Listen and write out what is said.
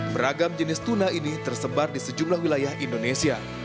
beragam jenis tuna ini tersebar di sejumlah wilayah indonesia